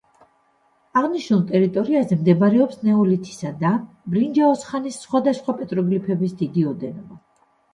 აღნიშნულ ტერიტორიაზე მდებარეობს ნეოლითისა და ბრინჯაოს ხანის სხვადასხვა პეტროგლიფების დიდი ოდენობა.